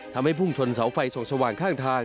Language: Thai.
ทำให้พุ่งชนเสาไฟ๒สว่างข้างทาง